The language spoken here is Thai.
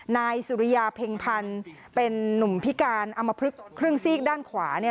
นายสุริยาเพ็งพันธ์เป็นนุ่มพิการอมพลึกครึ่งซีกด้านขวาเนี่ย